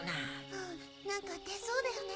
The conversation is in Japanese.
うん何か出そうだよね。